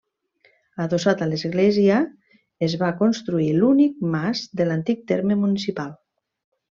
Adossat a l'església es va construir l'únic mas de l'antic terme municipal.